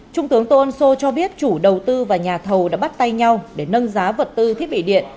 trung tướng tô ân sô cho biết chủ đầu tư và nhà thầu đã bắt tay nhau để nâng giá vật tư thiết bị điện